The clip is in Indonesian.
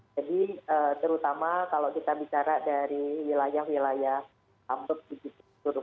jadi terutama kalau kita bicara dari wilayah wilayah kampung gitu